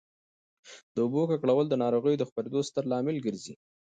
د اوبو ککړول د ناروغیو د خپرېدو ستر لامل ګرځي.